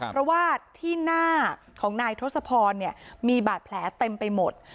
เพราะว่าที่หน้าของนายทศพรมีบาดแผลเต็มไปหมด